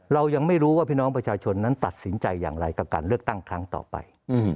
เรายังไม่รู้ว่าพี่น้องประชาชนนั้นตัดสินใจอย่างไรกับการเลือกตั้งครั้งต่อไป